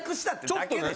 ちょっとね